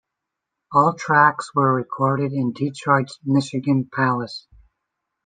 All tracks were recorded in Detroit's Michigan Palace.